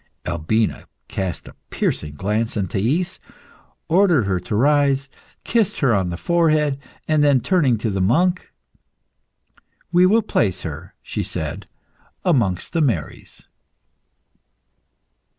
Albina cast a piercing glance on Thais, ordered her to rise, kissed her on the forehead, and then, turning to the monk "We will place her," she said, "amongst the Marys."